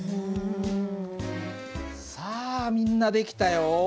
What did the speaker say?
さあみんな出来たよ。